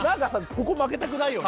ここ負けたくないよね。